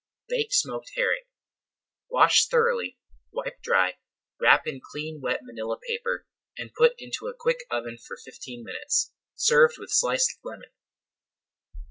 BAKED SMOKED HERRING Wash thoroughly, wipe dry, wrap in clean wet manilla paper, and put into a quick oven for fifteen minutes. Served with sliced lemon.